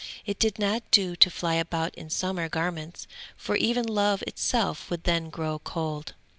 It did not do to fly about in summer garments, for even love itself would then grow cold.